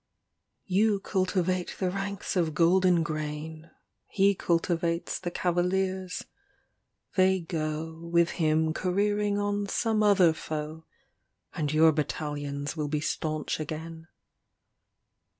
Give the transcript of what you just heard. LX XVII You cultivate the ranks of golden grain, He cultivates the cavaliers. They go With him careering on some other foe, And your battalions will be staunch again.